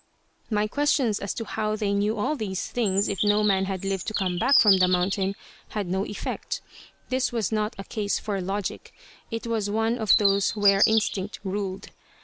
My questions as to how they knew all these things if no man had lived to come back from the mountain had no effect. This was not a case for logic; it was one of those where instinct ruled.